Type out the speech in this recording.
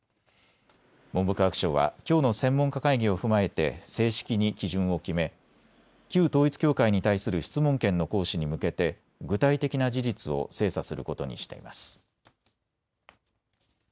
文部科学省はきょうの専門家会議を踏まえて正式に基準を決め旧統一教会に対する質問権の行使に向けて具体的な事実を精査することにしています。